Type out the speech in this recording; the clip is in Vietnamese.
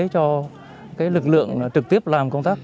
cho lực lượng trực tiếp làm công tác